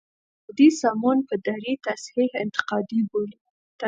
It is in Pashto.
انتقادي سمون په دري تصحیح انتقادي بولي.